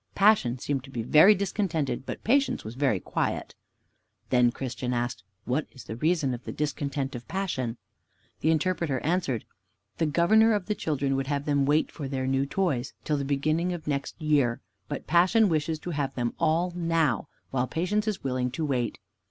Passion seemed to be very discontented, but Patience was very quiet. Then Christian asked, "What is the reason of the discontent of Passion?" The Interpreter answered, "The governor of the children would have them wait for their new toys, till the beginning of next year, but Passion wishes to have them all now, while Patience, is willing to wait."